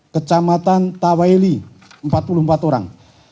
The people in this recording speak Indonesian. kecamatan taweli empat puluh empat orang